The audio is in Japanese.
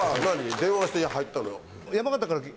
電話して入ったの？